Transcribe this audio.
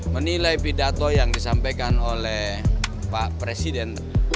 menilai pidato yang disampaikan oleh pak presiden